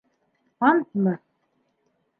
Антмы?